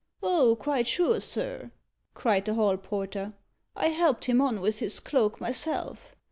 "Oh, quite sure, sir," cried the hall porter. "I helped him on with his cloak myself.